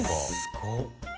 すごっ！